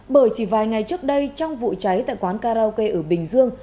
bởi chỉ vài ngày trước đây trong vụ cháy tại quán karaoke ở bình dương